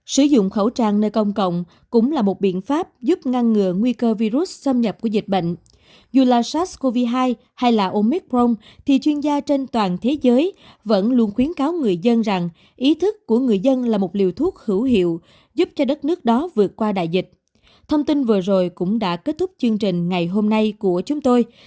sử dụng khẩu trang nơi công cộng cũng là một biện pháp giúp ngăn ngừa nguy hiểm